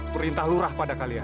perintah lurah pada kalian